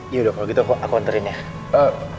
yaudah kalau gitu aku anterin ya